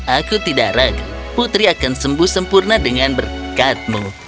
aku tidak ragu putri akan sembuh sempurna dengan berkatmu